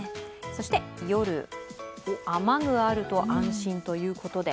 そして夜、雨具あると安心ということで。